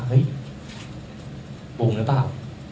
เฮ้ยตรงหรือเปล่า